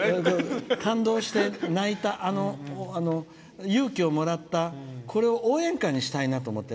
感動して泣いた勇気をもらったこれを応援歌にしたいなと思って。